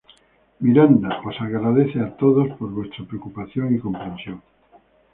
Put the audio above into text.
Miranda os agradece a todos por vuestra preocupación y comprensión".